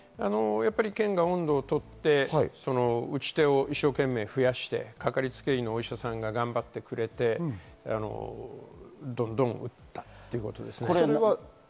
県が音頭を取って打ち手を一生懸命増やして、かかりつけ医のお医者さんが頑張ってどんどん打ったということですね。